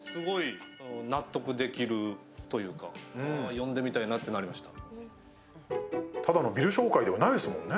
読んでみたいなってなりました。